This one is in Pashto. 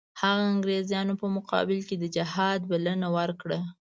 هغه انګریزانو په مقابل کې د جهاد بلنه ورکړه.